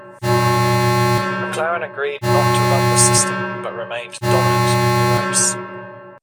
McLaren agreed not to run the system, but remained dominant in the race.